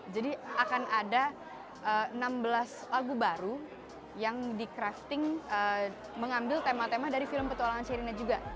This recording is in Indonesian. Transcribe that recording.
jadi akan ada enam belas lagu baru yang di crafting mengambil tema tema dari film petualangan sherina juga